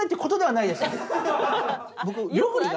僕。